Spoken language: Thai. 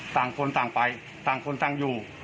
ต่างคนต่างไปต่างคนต่างอยู่